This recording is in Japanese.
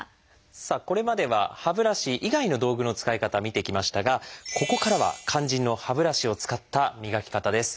さあこれまでは歯ブラシ以外の道具の使い方見てきましたがここからは肝心の歯ブラシを使った磨き方です。